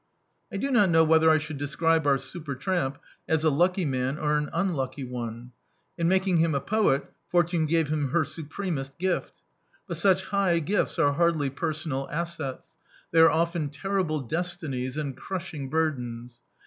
I do not know whether I should describe our super tramp as a lucky man or an unlucky one. In making him a poet. Fortune gave him her supremest gift; but such hi^ gifts are hardly personal assets: they are often terrible destinies and crushing burdens.